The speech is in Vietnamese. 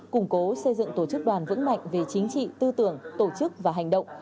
củng cố xây dựng tổ chức đoàn vững mạnh về chính trị tư tưởng tổ chức và hành động